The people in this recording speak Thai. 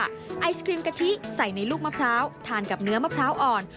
ไอศครีมกะทิใส่ในลูกมะพร้าวทานกับเนื้อมะพร้าวอ่อน